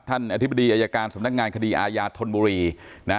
อธิบดีอายการสำนักงานคดีอาญาธนบุรีนะ